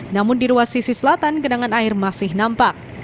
namun di ruas sisi selatan genangan air masih nampak